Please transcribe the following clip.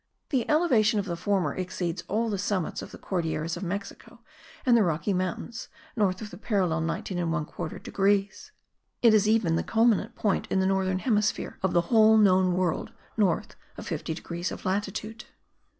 The elevation of the former exceeds all the summits of the Cordilleras of Mexico and the Rocky Mountains, north of the parallel 19 1/4 degrees; it is even the culminant point in the northern hemisphere, of the whole known world north of 50 degrees of latitude.